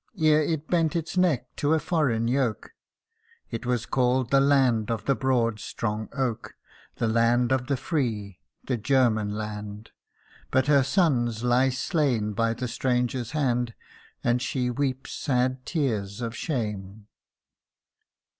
Ere it bent its neck to a foreign yoke, It was called the land of the broad strong oak The land of the free the German land But her sons lie slain by the stranger's hand, And she weeps sad tears of shame.